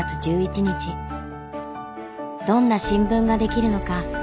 どんな新聞が出来るのか。